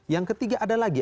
yang ketiga ada lagi